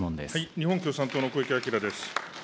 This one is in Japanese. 日本共産党の小池晃です。